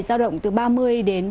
giao động từ ba mươi đến ba mươi ba độ